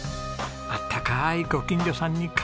あったかいご近所さんに感謝です。